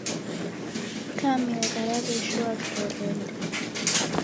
Kamera yaw'eshoa virerende.